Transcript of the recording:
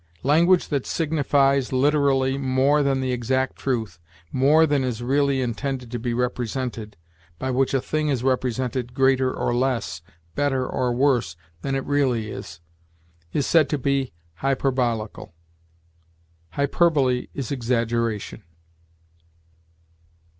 Language that signifies, literally, more than the exact truth, more than is really intended to be represented, by which a thing is represented greater or less, better or worse than it really is, is said to be hyperbolical. Hyperbole is exaggeration.